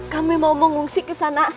kami mau mengungsi ke sana